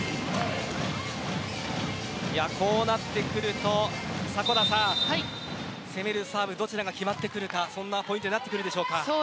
こうなってくると攻めるサーブどちらが決まってくるかというポイントになってくるでしょうか。